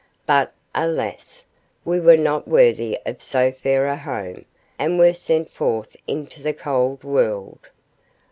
But alas! we were not worthy of so fair a home, and were sent forth into the cold world.